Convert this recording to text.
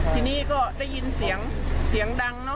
ทีนี้ก็ได้ยินเสียงดัง